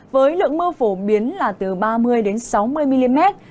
với lượng mưa phổ biến là từ ba mươi sáu mươi mm